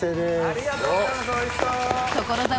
ありがとうございます。